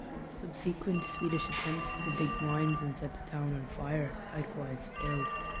Subsequent Swedish attempts to dig mines and set the town on fire likewise failed.